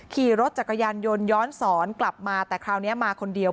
ขี่รถจักรยานยนต์ย้อนสอนกลับมาแต่คราวนี้มาคนเดียว